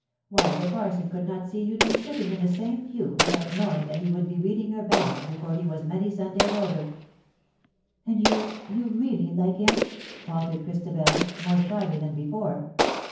Why the parson could not see you two sitting in the same pew without knowing that he would be reading your banns before he was many Sundays older.^^ ^' And you — really — like him T' faltered Chris tabel; more shyly than before.